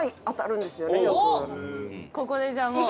「ここでじゃあもう」